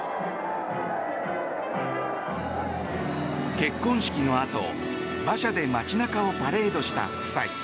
結婚式のあと馬車で街中をパレードした夫妻。